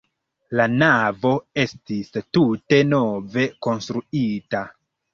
La navo estis tute nove konstruita.